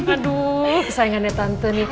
aduh kesayangannya tante nih